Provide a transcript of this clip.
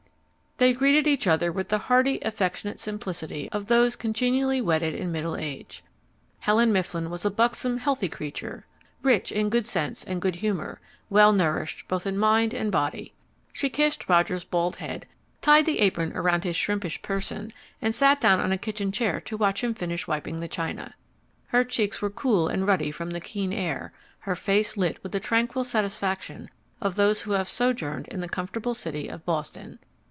They greeted each other with the hearty, affectionate simplicity of those congenially wedded in middle age. Helen Mifflin was a buxom, healthy creature, rich in good sense and good humour, well nourished both in mind and body. She kissed Roger's bald head, tied the apron around his shrimpish person, and sat down on a kitchen chair to watch him finish wiping the china. Her cheeks were cool and ruddy from the keen air, her face lit with the tranquil satisfaction of those who have sojourned in the comfortable city of Boston.